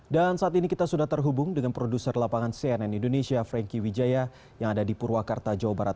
dan saat ini kita sudah terhubung dengan produser lapangan cnn indonesia frankie wijaya yang ada di purwakarta jawa barat